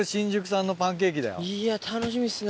いや楽しみっすね